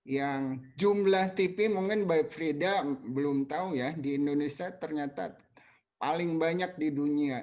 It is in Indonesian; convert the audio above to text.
yang jumlah tv mungkin mbak frida belum tahu ya di indonesia ternyata paling banyak di dunia